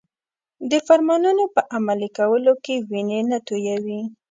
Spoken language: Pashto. د فرمانونو په عملي کولو کې وینې نه تویوي.